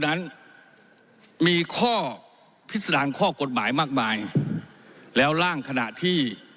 นั้นมีข้อพิจารณาข้อกฎหมายมากมายแล้วร่างขณะที่